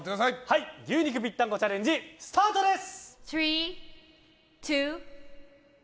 牛肉ぴったんこチャレンジスタートです！